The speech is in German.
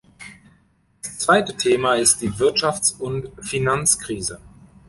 Das zweite Thema ist die Wirtschafts- und Finanzkrise.